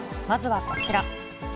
まずはこちら。